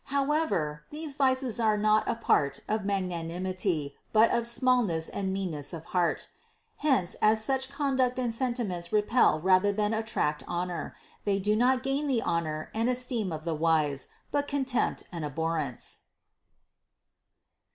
However, these vices are not a part of magnanimity, but of smallness and meanness of heart. Hence, as such conduct and sentiments repel rather than attract honor, they do not gain the honor and esteem of the wise, but contempt and abhorrence.